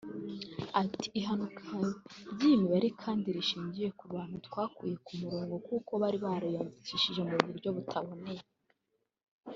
Ati “ Ihanuka ry’iyi mibare kandi rishingiye ku bantu twakuye ku murongo kuko bari bariyandikishije mu buryo butaboneye